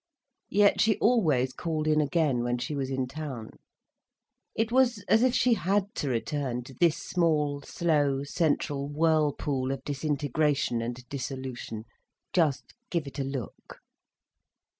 Yet she always called in again, when she was in town. It was as if she had to return to this small, slow, central whirlpool of disintegration and dissolution: just give it a look.